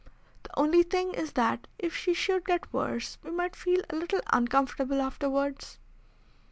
The only thing is that if she should get worse we might feel a little uncomfortable afterwards.